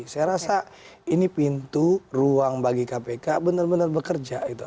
saya rasa ini pintu ruang bagi kpk benar benar bekerja